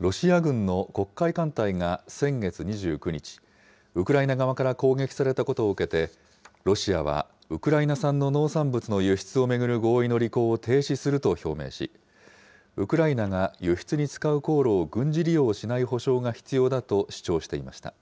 ロシア軍の黒海艦隊が先月２９日、ウクライナ側から攻撃されたことを受けて、ロシアはウクライナ産の農産物の輸出を巡る合意の履行を停止すると表明し、ウクライナが輸出に使う航路を軍事利用しない保証が必要だと主張していました。